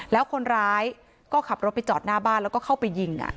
แล้วคนร้ายก็ขับรถไปจอดหน้าบ้านแล้วก็เข้าไปยิง